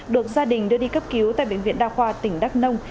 đưa đi cấp cứu tại bệnh viện đa khoa tỉnh đắc nông